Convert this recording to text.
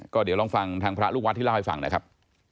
ก็เดี๋ยวลองฟังทางพระลูกวัดที่เล่าให้ฟังนะครับ